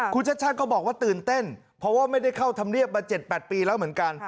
คุณชาติชาติก็บอกว่าตื่นเต้นเพราะว่าไม่ได้เข้าธรรมเนียบมา๗๘ปีแล้วเหมือนกัน